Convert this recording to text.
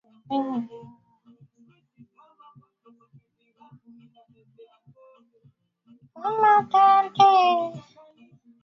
Nyumba za Mji Mkongwe zilijengwa tangu mwaka elfu moja mia nane thelathini